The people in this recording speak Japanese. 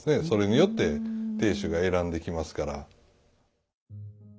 それによって亭主が選んできますから。